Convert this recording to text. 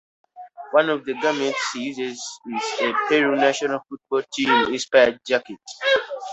One of the garments he uses is a Peru-national-football-team-inspired jacket.